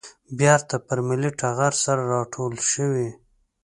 بېرته پر ملي ټغر سره راټولې شوې.